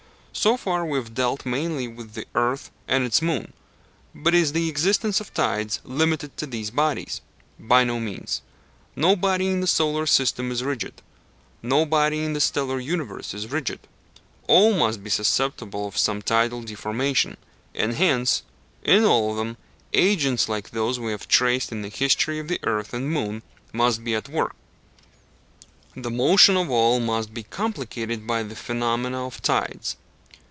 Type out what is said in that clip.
So far we have dealt mainly with the earth and its moon; but is the existence of tides limited to these bodies? By no means. No body in the solar system is rigid, no body in the stellar universe is rigid. All must be susceptible of some tidal deformation, and hence, in all of them, agents like those we have traced in the history of the earth and moon must be at work: the motion of all must be complicated by the phenomena of tides.